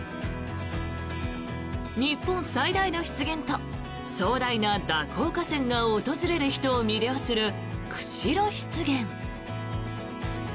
日本最大の湿原と壮大な蛇行河川が訪れる人を魅了する釧路湿原。